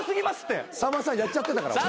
さんまさんやっちゃってたから。